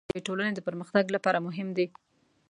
د سمو اړیکو جوړول د یوې ټولنې د پرمختګ لپاره مهم دي.